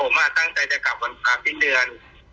ผมตั้งใจจะกลับวันสิ้นเดือน